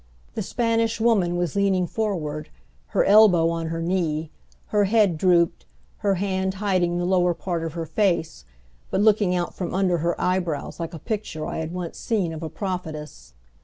The Spanish Woman was leaning forward, her elbow on her knee, her head drooped, her hand hiding the lower part of her face, but looking out from under her eyebrows like a picture I had once seen of a prophetess.